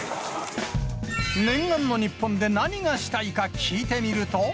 念願の日本で何がしたいか、聞いてみると。